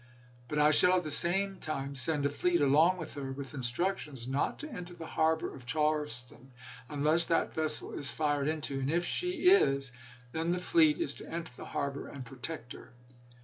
But I shall at the same time send a fleet along with her, with instructions not to enter the harbor of Charleston unless that vessel is fired into ; and if she is, then the fleet is to enter the harbor and protect her.